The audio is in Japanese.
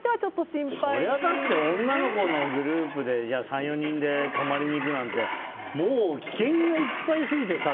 そりゃだって女の子のグループで３、４人で泊まりに行くなんてもう危険がいっぱいすぎてさ。